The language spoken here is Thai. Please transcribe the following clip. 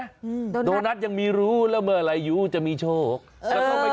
อืมโดนัโดนัทยังมีรู้แล้วเมื่อไหร่อยู่จะมีโชคเออ